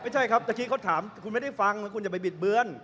ไม่ใช่ครับเมื่อกี้เขาถามคุณไม่ได้ฟังคุณจะไปบิดเบื้อน